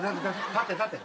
立て立て。